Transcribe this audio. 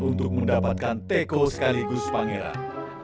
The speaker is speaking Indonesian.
untuk mendapatkan teko sekaligus pangeran